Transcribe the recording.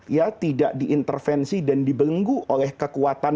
ya tidak diintervensi dan dibelenggu oleh kekuatan